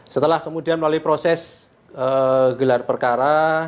setelah kemudian melalui proses gelar perkara